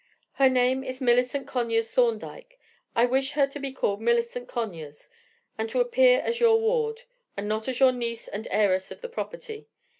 Her name is Millicent Conyers Thorndyke. I wish her to be called Millicent Conyers, and to appear as your ward, and not as your niece and heiress of the property.